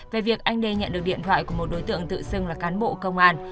về việc anh đê nhận được điện thoại của một đối tượng tự xưng là cán bộ công an